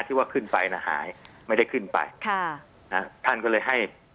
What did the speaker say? ที่ว่าขึ้นไปน่ะหายไม่ได้ขึ้นไปค่ะนะท่านก็เลยให้